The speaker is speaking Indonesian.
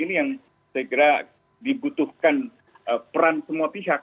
ini yang segera dibutuhkan peran semua pihak